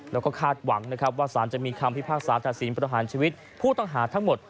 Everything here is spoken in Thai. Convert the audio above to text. แล้วก็คาดหวังนะครับว่าสารจะมีคำพิพากษาตัดสินประหารชีวิตผู้ต้องหาทั้งหมด